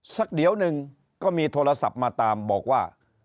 สักเดี๋ยวหนึ่งก็มีโทรศัพท์มาตามบอกว่า